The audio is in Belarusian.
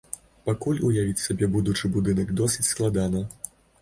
Пакуль уявіць сабе будучы будынак досыць складана.